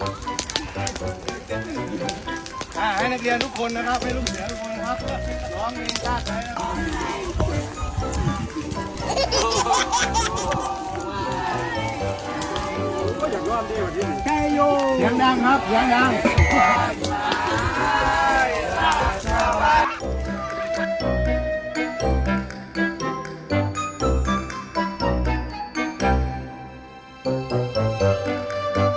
ให้นักเรียนทุกคนนะครับให้ลูกเสือทุกคนนะครับ